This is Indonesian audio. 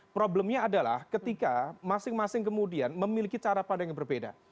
problemnya adalah ketika masing masing kemudian memiliki cara pandang yang berbeda